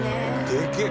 でけえ。